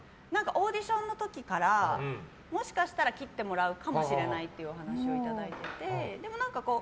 オーディションの時からもしかしたら切ってもらうかもしれないって言われて。